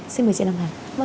xin mời chị nam hà